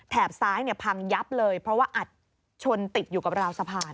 ซ้ายพังยับเลยเพราะว่าอัดชนติดอยู่กับราวสะพาน